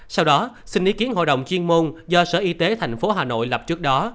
sau đó xin ý kiến hội đồng chuyên môn do sở y tế tp hà nội lập trước đó